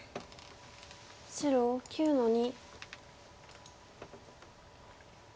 白９の二。